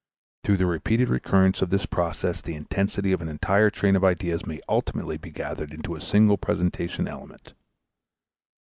Through the repeated recurrence of this process the intensity of an entire train of ideas may ultimately be gathered in a single presentation element.